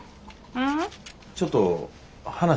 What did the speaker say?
うん。